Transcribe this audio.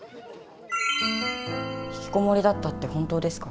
ひきこもりだったって本当ですか？